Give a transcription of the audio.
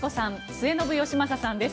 末延吉正さんです。